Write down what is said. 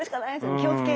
気をつけ！